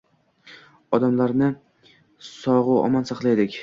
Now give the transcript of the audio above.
Odamlarni sogʻu omon saqladik